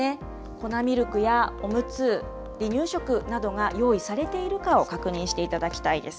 粉ミルクやおむつ、離乳食などが用意されているかを確認していただきたいです。